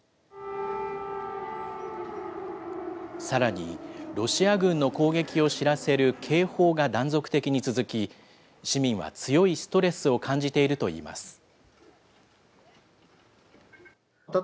さらに、ロシア軍の攻撃を知らせる警報が断続的に続き、市民は強いストレスを感じているといいます。